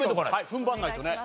踏ん張らないとね。